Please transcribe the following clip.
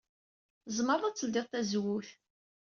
Tzemred ad tledyed tazewwut.